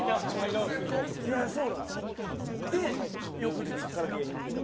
で、翌日から芸人というか。